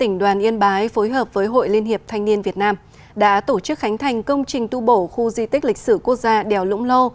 học viện chính trị công an nhân dân đã tổ chức khánh thành công trình tu bổ khu di tích lịch sử quốc gia đèo lũng lô